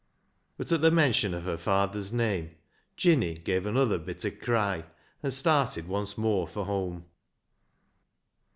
But at the mention of her father's name Jinny gave another bitter cry, and started once more for home.